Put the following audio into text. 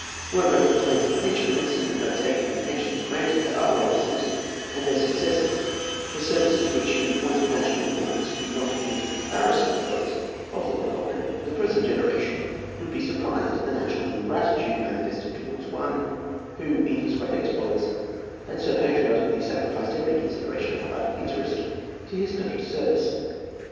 Were reference made to the pension list, and note taken of the pensions granted to other officers and their successors for services which in point of national importance do not admit of comparison with those of Lord Cochrane, the present generation would be surprised at the national ingratitude manifested towards one, who, in his great exploits, had so patriotically sacrificed every consideration of private interest to his country's service.